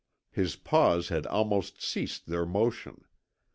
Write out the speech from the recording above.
His paws had almost ceased their motion.